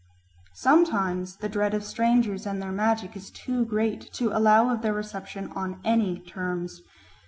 Sometimes the dread of strangers and their magic is too great to allow of their reception on any terms.